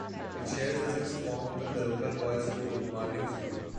It shares a Sixth Form with the local boys' school, Marling School.